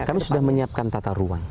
kami sudah menyiapkan tata ruang